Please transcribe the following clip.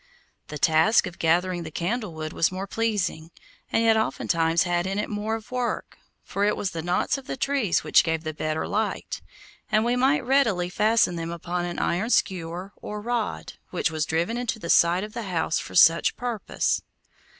The task of gathering the candle wood was more pleasing, and yet oftentimes had in it more of work, for it was the knots of the trees which gave the better light, and we might readily fasten them upon an iron skewer, or rod, which was driven into the side of the house for such purpose.